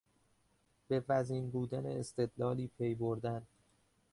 به وزین بودن استدلالی پیبردن